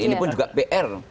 ini pun juga pr